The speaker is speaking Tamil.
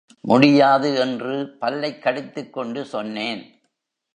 முடியாது என்று பல்லைக் கடித்துக் கொண்டு சொன்னேன்.